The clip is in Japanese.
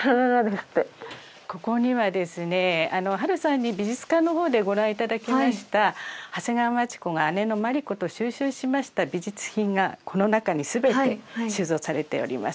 ここにはですね波瑠さんに美術館の方でご覧いただきました長谷川町子が姉の毬子と収集しました美術品がこの中に全て収蔵されております。